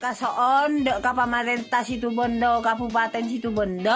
kalo ada pemerintah di situ kabupaten di situ